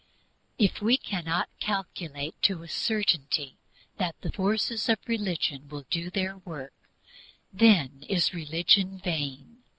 If we cannot calculate to a certainty that the forces of religion will do their work, then is religion vain.